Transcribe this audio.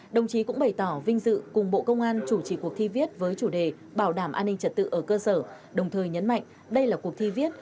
đồng chí cũng bày tỏ vinh dự cùng bộ công an chủ trì cuộc thi viết với chủ đề bảo đảm an ninh trật tự ở cơ sở đồng thời nhấn mạnh đây là cuộc thi viết